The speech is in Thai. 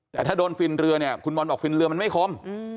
แต่ถ้าโดนฟิล์นเรือคุณบอลบอกฟิล์นเรือมันไม่คม